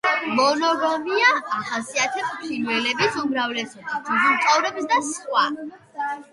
მონოგამია ახასიათებს ფრინველების უმრავლესობას, ძუძუმწოვრებს და სხვა.